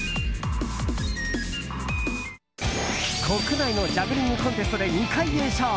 国内のジャグリングコンテストで２回優勝